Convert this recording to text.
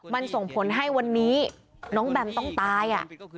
มันส่งผลให้วันนี้น้องแบมต้องตาย